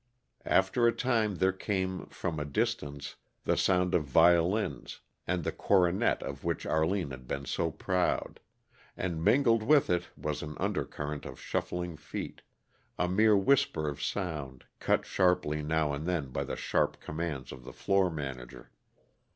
After a time there came, from a distance, the sound of violins and the "coronet" of which Arline had been so proud; and mingled with it was an undercurrent of shuffling feet, a mere whisper of sound, cut sharply now and then by the sharp commands of the floor manager.